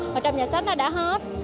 và trong nhà sách nó đã hết